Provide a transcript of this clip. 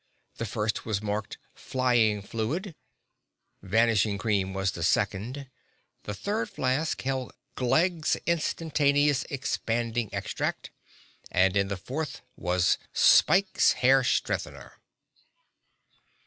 The first was marked, "Flying Fluid"; "Vanishing Cream" was in the second. The third flask held "Glegg's Instantaneous Expanding Extract," and in the fourth was "Spike's Hair Strengthener."